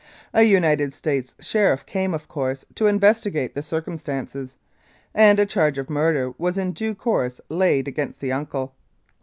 A United States sheriff came, of course, to investi gate the circumstances, and a charge of murder was in due course laid against the uncle.